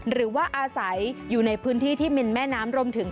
หรือว่าอาศัยอยู่ในพื้นที่ที่มินแม่น้ำรวมถึง